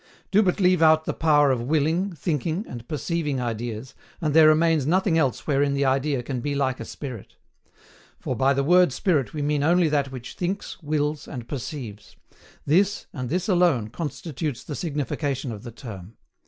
Do but leave out the power of willing, thinking, and perceiving ideas, and there remains nothing else wherein the idea can be like a spirit. For, by the word spirit we mean only that which thinks, wills, and perceives; this, and this alone, constitutes the signification of the term.